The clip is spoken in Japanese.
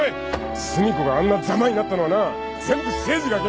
寿美子があんなざまになったのはな全部誠治が原因なんだよ。